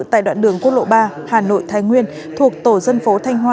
tại đoạn đường quốc lộ ba hà nội thái nguyên thuộc tổ dân phố thanh hoa